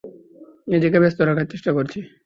নিজেকে ব্যস্ত রাখার চেষ্টা করছি।